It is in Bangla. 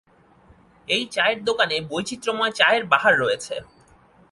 এই চায়ের দোকানে বৈচিত্র্যময় চায়ের বাহার রয়েছে।